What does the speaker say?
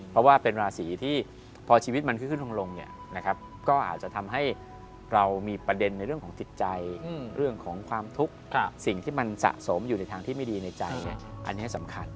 เพราะว่าเป็นราศีที่พอชีวิตมันขึ้นลงเนี่ยนะครับก็อาจจะทำให้เรามีประเด็นในเรื่องของจิตใจเรื่องของความทุกข์สิ่งที่มันสะสมอยู่ในทางที่ไม่ดีในใจอันนี้สำคัญ